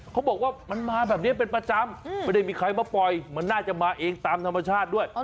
เขาบอกว่ามันมาแบบนี้เป็นประจำไม่ได้มีใครมาปล่อยมันน่าจะมาเองตามธรรมชาติด้วย